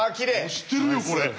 押してるよこれ。